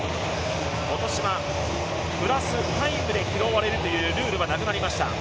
今年はプラスタイムで拾われるというルールはなくなりました。